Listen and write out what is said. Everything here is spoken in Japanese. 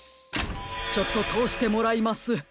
ちょっととおしてもらいます。